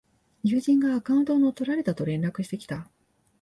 友人がアカウントを乗っ取られたと連絡してきた